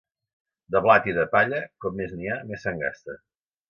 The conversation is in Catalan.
De blat i de palla, com m'és n'hi ha, més se'n gasta.